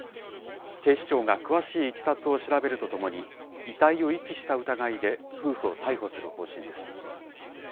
警視庁が詳しいいきさつを調べるとともに、遺体を遺棄した疑いで、夫婦を逮捕する方針です。